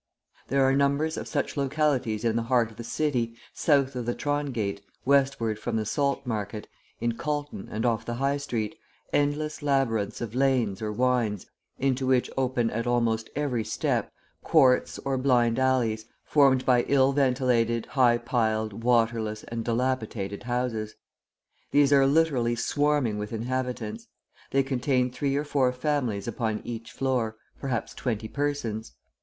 There are numbers of such localities in the heart of the city, south of the Trongate, westward from the Saltmarket, in Calton and off the High Street, endless labyrinths of lanes or wynds into which open at almost every step, courts or blind alleys, formed by ill ventilated, high piled, waterless, and dilapidated houses. These are literally swarming with inhabitants. They contain three or four families upon each floor, perhaps twenty persons.